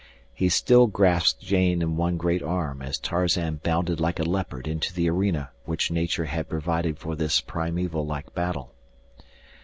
He still grasped Jane in one great arm as Tarzan bounded like a leopard into the arena which nature had provided for this primeval like battle.